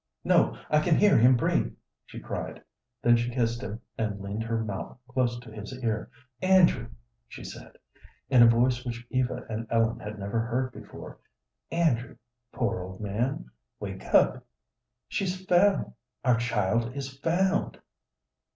"No, I can hear him breathe," she cried. Then she kissed him, and leaned her mouth close to his ear. "Andrew!" she said, in a voice which Eva and Ellen had never heard before. "Andrew, poor old man, wake up; she's found! Our child is found!"